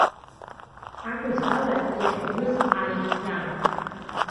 Аҳәызбала иахьблыз ааиӷьӷьан.